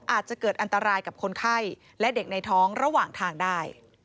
อาจจะเกิดอันตรายกับคนไข้และเด็กในท้องระหว่างทางได้